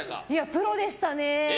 プロでしたね。